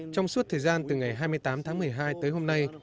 trong suốt thời gian từ ngày hai mươi tám tháng một mươi hai tới hôm nay